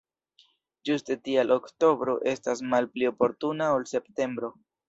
Ĝuste tial oktobro estas malpli oportuna ol septembro.